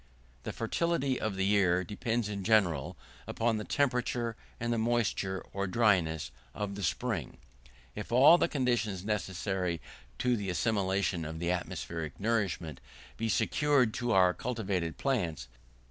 The fertility of the year depends in general upon the temperature, and the moisture or dryness of the spring, if all the conditions necessary to the assimilation of the atmospheric nourishment be secured to our cultivated plants.